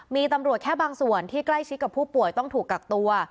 มีตำรวจแค่บางส่วนที่ใกล้ชิดกับผู้ป่วยต้องถูกกักตัว